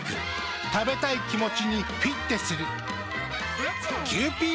食べたい気持ちにフィッテする。